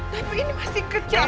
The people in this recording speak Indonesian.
tapi ini masih kecil